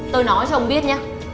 tôi nói cho ông biết nhá